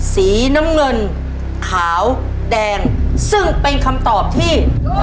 สีน้ำเงินขาวแดงซึ่งเป็นคำตอบที่